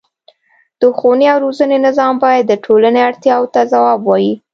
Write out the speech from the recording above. د ښوونې او روزنې نظام باید د ټولنې اړتیاوو ته ځواب ووايي.